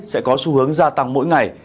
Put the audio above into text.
sẽ có xu hướng gia tăng mỗi ngày